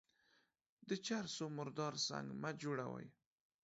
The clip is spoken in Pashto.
د چر سو مردار سنگ مه جوړوه.